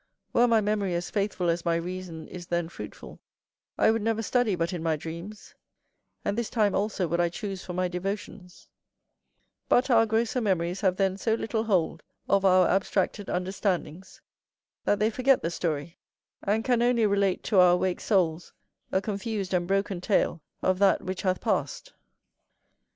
Were my memory as faithful as my reason is then fruitful, I would never study but in my dreams, and this time also would I choose for my devotions: but our grosser memories have then so little hold of our abstracted understandings, that they forget the story, and can only relate to our awaked souls a confused and broken tale of that which hath passed.